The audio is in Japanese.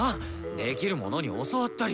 できる者に教わったり。